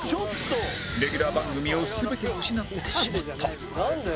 レギュラー番組を全て失ってしまった